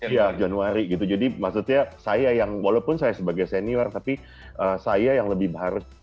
iya januari gitu jadi maksudnya saya yang walaupun saya sebagai senior tapi saya yang lebih baru